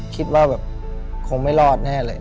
คิดว่าแบบคงไม่รอดแน่เลย